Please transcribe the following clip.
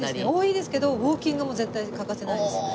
多いですけどウォーキングも絶対に欠かせないです。